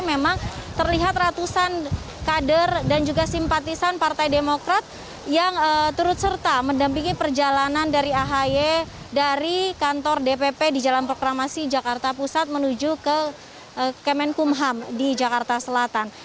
memang terlihat ratusan kader dan juga simpatisan partai demokrat yang turut serta mendampingi perjalanan dari ahy dari kantor dpp di jalan proklamasi jakarta pusat menuju ke kemenkumham di jakarta selatan